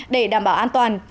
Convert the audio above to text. để đảm bảo an toàn